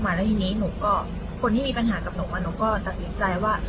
และที่นี้ผมก็คนที่มีปัญหากับผมก็ตัดอินจ่ายว่า